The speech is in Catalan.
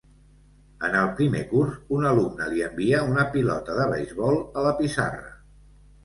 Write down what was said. En el primer curs un alumne li envia una pilota de beisbol a la pissarra.